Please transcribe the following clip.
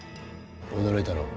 驚いたろう。